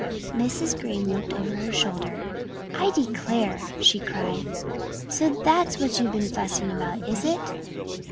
Mrs. Green looked over her shoulder. "I declare!" she cried. "So that's what you've been fussing about, is it?"